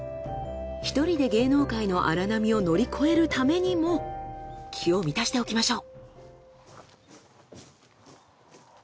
１人で芸能界の荒波を乗り越えるためにも気を満たしておきましょう。